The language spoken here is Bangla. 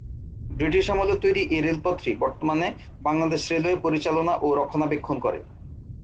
বৃটিশ আমলে তৈরি এ রেলপথটি বর্তমানে বাংলাদেশ রেলওয়ে পরিচালনা ও রক্ষণাবেক্ষণ করে।